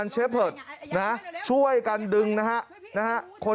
ช่วยกันดึงนะฮะ